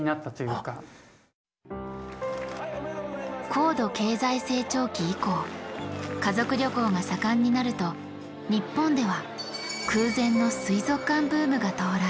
高度経済成長期以降家族旅行が盛んになると日本では空前の水族館ブームが到来。